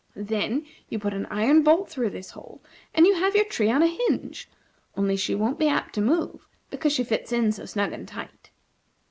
Then you put an iron bolt through this hole, and you have your tree on a hinge, only she wont be apt to move because she fits in so snug and tight.